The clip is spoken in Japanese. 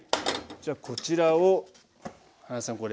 じゃあこちらを原さんこれ。